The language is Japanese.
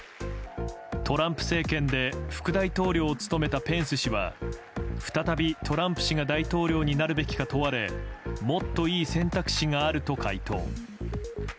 トランプ政権で副大統領を務めたペンス氏は再び、トランプ氏が大統領になるべきか問われもっといい選択肢があると回答。